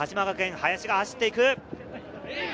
林が走っていく。